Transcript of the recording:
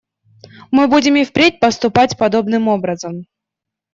Мы будем и впредь поступать подобным образом.